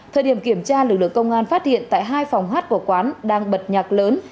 thời điểm kiểm tra lực lượng công an phát hiện tại hai phòng hát của quán đang bật nhạc lớn